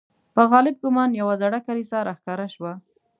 په غالب ګومان یوه زړه کلیسا را ښکاره شوه.